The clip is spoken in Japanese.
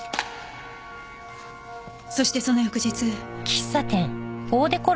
そしてその翌日。